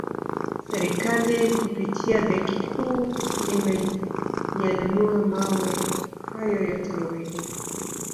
Serikali kupitia benki kuu imeyanunua mawe hayo yote mawili